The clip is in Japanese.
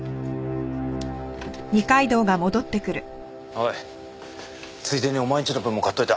おいついでにお前ん家の分も買っといた。